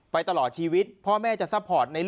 ตลอดชีวิตพ่อแม่จะซัพพอร์ต